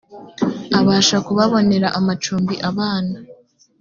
abasha kubabonera amacumbi abana